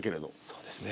そうですね